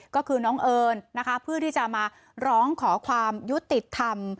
ก็คือน้องเอิญนะคะเพื่อที่จะมาร้องขอความยุติธรรม